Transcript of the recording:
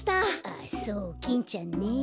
あそうキンちゃんね。